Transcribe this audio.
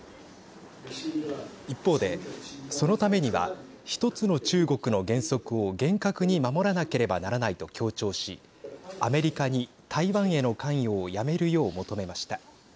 一方でそのためには１つの中国の原則を厳格に守らなければならないと強調しアメリカに台湾への関与をやめるよう求めました。